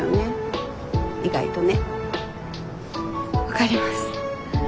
分かります。